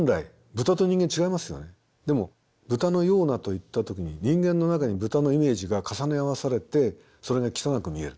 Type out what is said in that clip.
でも豚のようなと言った時に人間の中に豚のイメージが重ね合わされてそれが汚く見える。